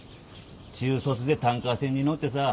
中卒でタンカー船に乗ってさ。